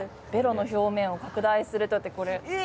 「ベロの表面を拡大すると！」ってこれ。